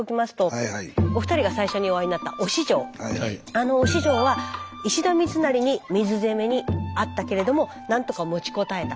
あの忍城は石田三成に水攻めにあったけれども何とか持ちこたえた。